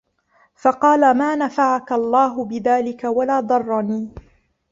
فَقَالَ مَا نَفَعَك اللَّهُ بِذَلِكَ وَلَا ضَرَّنِي